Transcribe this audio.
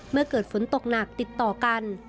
เมื่อเกิดฝนตกหนักติดต่อกัน